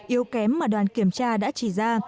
yếu kém mà đoàn kiểm tra đã chỉ ra